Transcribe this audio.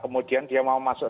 kemudian dia mau masuk